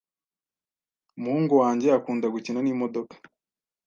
Umuhungu wanjye akunda gukina n'imodoka.